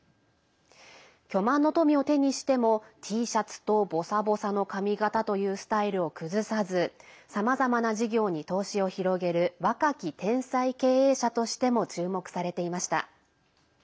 巨万の富を手にしてもＴシャツとボサボサの髪形というスタイルを崩さずさまざまな事業に投資を広げる若き天才経営者としても注目されていました。